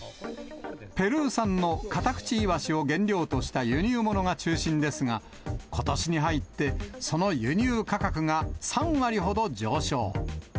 ペルー産のカタクチイワシを原料とした輸入物が中心ですが、ことしに入って、その輸入価格が３割ほど上昇。